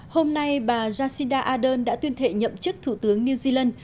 hôm nay bà jacinda ardern đã tuyên thệ nhậm chức thủ tướng new zealand